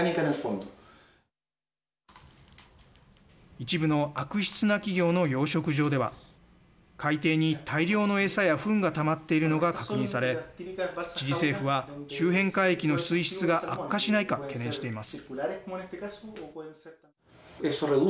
一部の悪質な企業の養殖場では海底に大量の餌やふんがたまっているのが確認されチリ政府は周辺海域の水質が悪化しないか懸念しています。